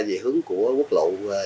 về hướng của quốc lộ chín mươi một